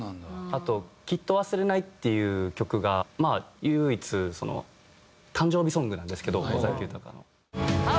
あと『きっと忘れない』っていう曲が唯一誕生日ソングなんですけど尾崎豊の。